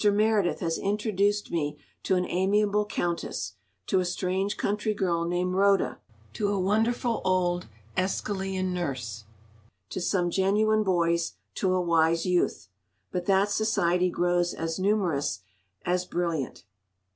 Meredith has introduced me to an amiable Countess, to a strange country girl named Rhoda, to a wonderful old Æschylean nurse, to some genuine boys, to a wise Youth,—but that society grows as numerous as brilliant.